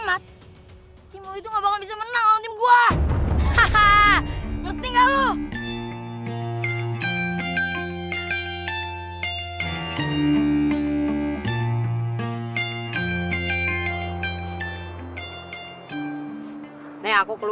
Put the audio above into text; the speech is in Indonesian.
aku duluan dabang assalamu'alaikum